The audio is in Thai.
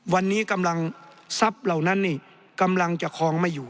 วันนี้กำลังทรัพย์เหล่านั้นนี่กำลังจะคลองไม่อยู่